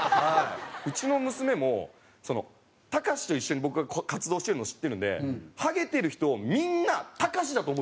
うちの娘もそのタカシと一緒に僕が活動してるのを知ってるんではげてる人をみんなタカシだと思ってるんですよ。